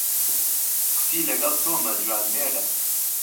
کوتی له گهڵ تۆمه جوانمێره